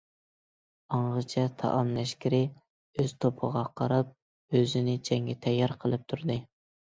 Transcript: ئاڭغىچە، تائام لەشكىرى ئۆز توپىغا قاراپ، ئۆزىنى جەڭگە تەييار قىلىپ تۇردى.